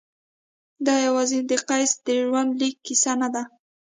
دا یوازې د قیصر د ژوندلیک کیسه نه ده.